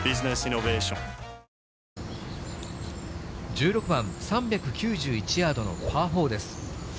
１６番３９１ヤードのパー４です。